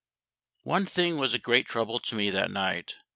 One thing was a great trouble to me that night.